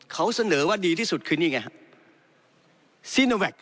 เขาเสนอว่าดีที่สุดคือนี่ไงครับ